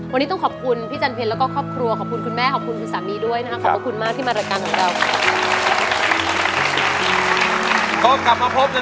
วันนี้ต้องขอบคุณพี่จันเพลแล้วก็ครอบครัวขอบคุณคุณแม่ขอบคุณคุณสามีด้วยนะคะขอบพระคุณมากที่มารายการของเรา